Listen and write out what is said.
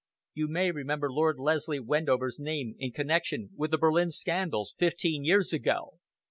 You may remember Lord Leslie Wendover's name in connection with the Berlin scandals fifteen years ago.